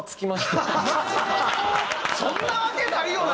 「そんなわけないよな」